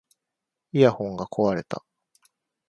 イヤホンが壊れた